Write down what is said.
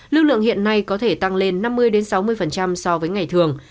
lưu lượng hiện nay có thể tăng lên năm mươi sáu mươi so với ngày thường